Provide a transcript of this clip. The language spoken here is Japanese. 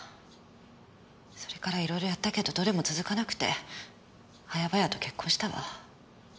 それからいろいろやったけどどれも続かなくて早々と結婚したわ。